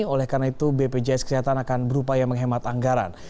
oleh karena itu bpjs kesehatan akan berupaya menghemat anggaran